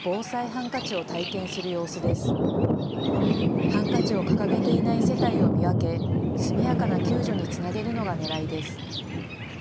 ハンカチを掲げていない世帯を見分け、速やかな救助につなげるのがねらいです。